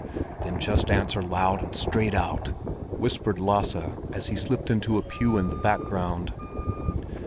"Then just answer loud and straight out," whispered Lasse, as he slipped into a pew in the background.